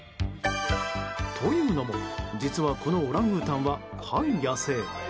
というのも、実はこのオランウータンは半野生。